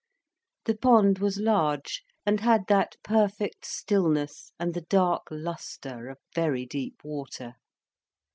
The pond was large, and had that perfect stillness and the dark lustre of very deep water.